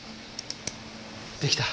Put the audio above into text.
できた。